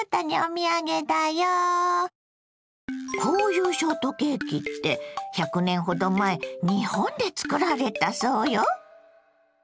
こういうショートケーキって１００年ほど前日本で作られたそうよ。